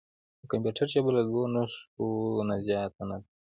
د کمپیوټر ژبه له دوه نښو نه زیاته نه ده.